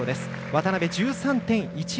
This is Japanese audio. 渡部、１３．１００。